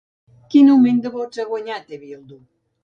Quin augment de vots ha guanyat Eh Bildu?